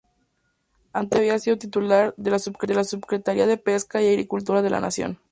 Anteriormente había sido titular de la Subsecretaría de Pesca y Agricultura de la Nación.